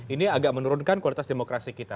ini agak menurunkan kualitas demokrasi kita